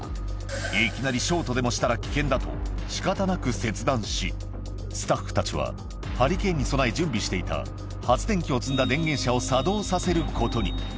いきなりショートでもしたら危険だと、しかたなく切断し、スタッフたちはハリケーンに備え準備していた、発電機を積んだ電源車を作動させることに。